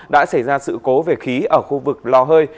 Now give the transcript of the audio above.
đã xảy ra sự cố về khí ở khu vực lò hơi